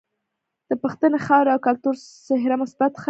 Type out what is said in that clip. د پښتنې خاورې او کلتور څهره مثبت ښائي.